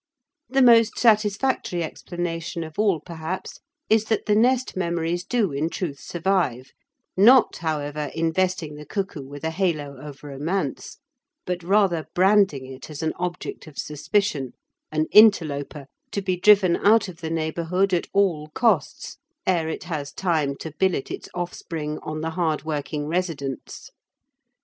The most satisfactory explanation of all perhaps is that the nest memories do in truth survive, not, however, investing the cuckoo with a halo of romance, but rather branding it as an object of suspicion, an interloper, to be driven out of the neighbourhood at all costs ere it has time to billet its offspring on the hard working residents.